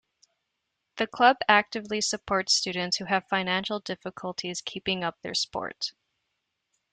The Club actively supports students who have financial difficulties keeping up their sport.